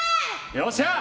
よっしゃ！